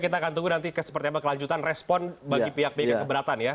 kita akan tunggu nanti seperti apa kelanjutan respon bagi pihak bd keberatan ya